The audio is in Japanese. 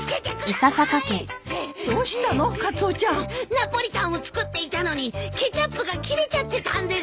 ナポリタンを作っていたのにケチャップが切れちゃってたんです！